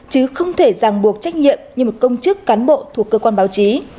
chứ không thể ràng buộc trách nhiệm như một công chức cán bộ thuộc cơ quan báo chí